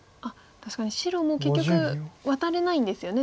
確かに白も結局ワタれないんですよね。